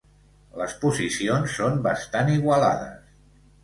Les posicions són bastant igualades.